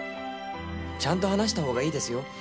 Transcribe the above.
ちゃんと話した方がいいですよ